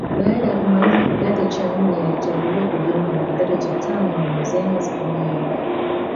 Baada ya kumaliza kidato cha nne alichaguliwa kujiunga na kidato cha tano Mazengo Sekondari